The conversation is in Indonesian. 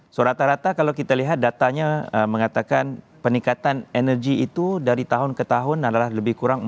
serata rata kalau kita lihat datanya mengatakan peningkatan energi itu dari tahun ke tahun adalah lebih kurang empat puluh